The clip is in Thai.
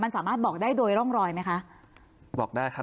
สามารถบอกได้โดยร่องรอยไหม